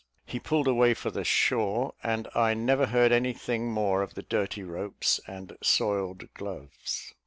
He pulled away for the shore, and I never heard any thing more of the dirty ropes and soiled gloves.